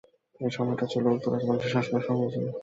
এই সময়টি ছিল উক্ত রাজবংশের শাসনের স্বর্ণযুগ।